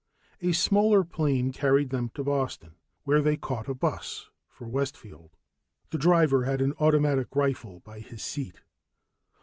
_ A smaller plane carried them to Boston, where they caught a bus for Westfield. The driver had an automatic rifle by his seat.